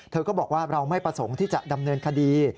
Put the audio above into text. เธอก็บอกว่าเราไม่ประสงค์ที่จะดำเนินคดี